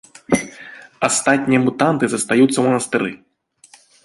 Астатнія мутанты застаюцца ў манастыры.